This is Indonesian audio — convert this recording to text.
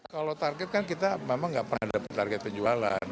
kalau target kan kita memang nggak pernah dapat target penjualan